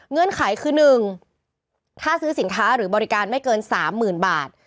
ไขคือ๑ถ้าซื้อสินค้าหรือบริการไม่เกิน๓๐๐๐บาท